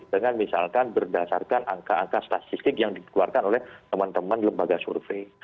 dengan misalkan berdasarkan angka angka statistik yang dikeluarkan oleh teman teman lembaga survei